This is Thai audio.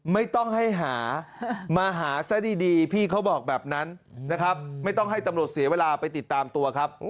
ไม่ต้องให้หามาหาซะดีพี่เขาบอกแบบนั้นนะครับไม่ต้องให้ตำรวจเสียเวลาไปติดตามตัวครับ